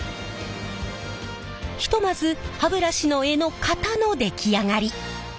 ひとまず歯ブラシの柄の型の出来上がり。